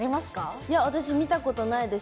いや、私見たことないです。